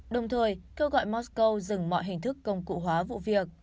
đồng thời kêu gọi mosco dừng mọi hình thức công cụ hóa vụ việc